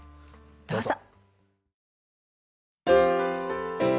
どうぞ。